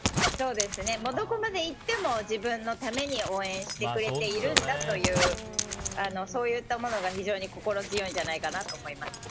どこまでいっても自分のために応援してくれているんだというそういったものが非常に心強いんじゃないかと思います。